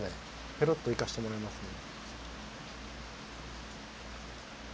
ペロッといかせてもらいますね。